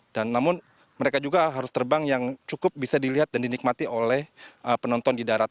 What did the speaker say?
dan namun mereka juga harus terbang yang cukup bisa dilihat dan dinikmati oleh penonton di darat